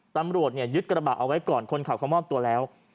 ตำรวจยึดกระบะเอาไว้ก่อนคนขับเขามอบตัวแล้ว